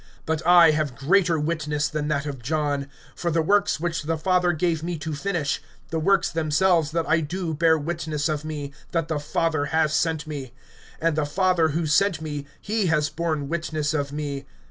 (36)But I have greater witness than that of John; for the works which the Father gave me to finish, the works themselves that I do bear witness of me, that the Father has sent me. (37)And the Father, who sent me, he has borne witness of me.